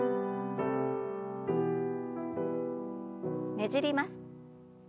ねじります。